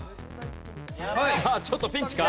さあちょっとピンチか？